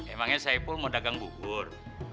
emangnya saipul mau dagang bubur